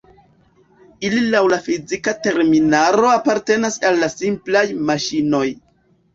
Ili laŭ la fizika terminaro apartenas al la simplaj maŝinoj.